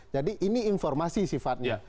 jadi ini informasi sifatnya